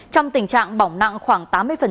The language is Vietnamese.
trong tình trạng bỏng nặng khoảng tám mươi